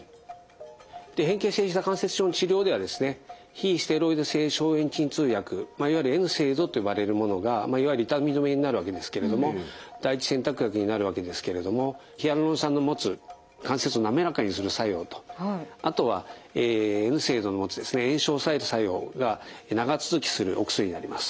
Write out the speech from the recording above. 変形性ひざ関節症の治療ではですね非ステロイド性消炎鎮痛薬いわゆるＮＳＡＩＤｓと呼ばれるものがいわゆる痛み止めになるわけですけれども第一選択薬になるわけですけれどもヒアルロン酸の持つ関節を滑らかにする作用とあとはＮＳＡＩＤｓの持つ炎症を抑える作用が長続きするお薬になります。